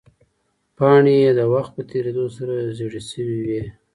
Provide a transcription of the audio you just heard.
پاڼې یې د وخت په تېرېدو سره زیړې شوې وې.